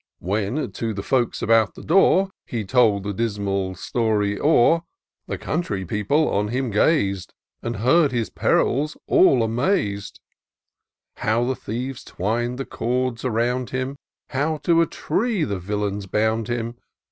When to the folks about the door, He told the dismal story o'er, The country people on him gaz'd. And heard his perils all amaz'd : How the thieves twin'd the cords around him How to a tree the villains bound him